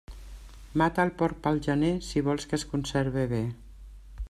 Mata el porc pel gener si vols que es conserve bé.